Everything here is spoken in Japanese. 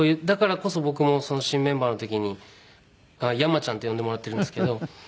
だからこそ僕も新メンバーの時に山ちゃんって呼んでもらってるんですけど。